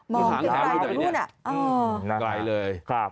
มองถึงไหนถึงรุ่นน่ะอ๋อนะครับไกลเลย